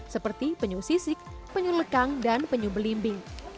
seperti penyu sisik penyu lekang dan penyu belimbing